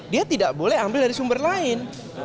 dia tidak boleh ambil dari sumber lain